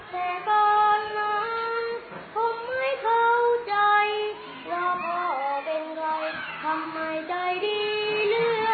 แต่ก่อนนั้นผมไม่เข้าใจแล้วพอเป็นใครทำให้ใจดีเหลือเกิน